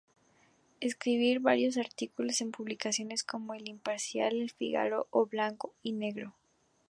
Escribiría varios artículos en publicaciones como "El Imparcial", "El Fígaro", o "Blanco y Negro".